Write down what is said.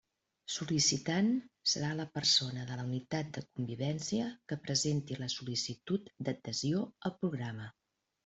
Sol·licitant, serà la persona de la unitat de convivència que presenti la sol·licitud d'adhesió al programa.